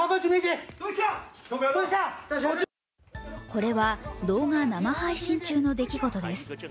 これは動画生配信中の出来事です。